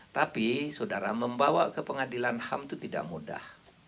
tapi saudara membawa ke pengadilan ham itu tidak mudah